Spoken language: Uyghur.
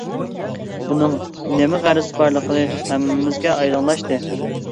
ئۇنىڭ نېمە غەرىزى بارلىقى ھەممىمىزگە ئايدىڭلاشتى.